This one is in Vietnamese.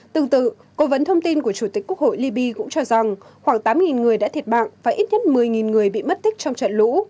tương tự cố vấn thông tin của chủ tịch quốc hội liby cũng cho rằng khoảng tám người đã thiệt mạng và ít nhất một mươi người bị mất tích trong trận lũ